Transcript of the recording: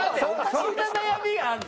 そんな悩みがあるの？